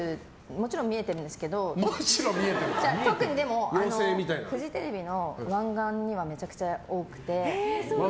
もちろん見えてるんですけど特に、フジテレビの湾岸にはめちゃくちゃ多くて。